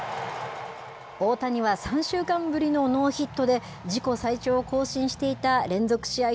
大谷は３週間ぶりのノーヒットで、自己最長を更新していた連続試合